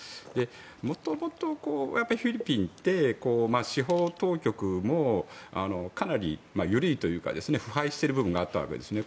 元々、フィリピンって司法当局もかなり緩いというか腐敗している部分があったんですね。